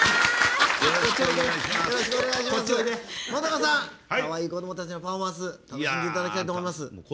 かわいい子どもたちのパフォーマンス見ていただきたいと思います。